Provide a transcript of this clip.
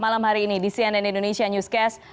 malam hari ini di cnn indonesia newscast